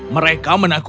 mereka menakutkan aku